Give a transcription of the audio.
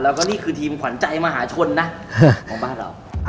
แล้วก็นี่คือทีมขวัญใจมหาชนนะของบ้านเรา